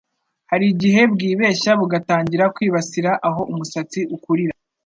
harigihe bwibeshya bugatangira kwibasira aho umusatsi ukurira